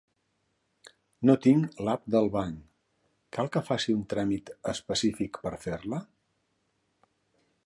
No tinc l'app del banc, cal que faci un tràmit específic per fer-la?